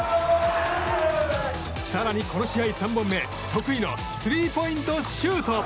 更に、この試合３本目得意のスリーポイントシュート。